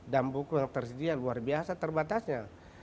dan buku yang tersedia luar biasa terbatasnya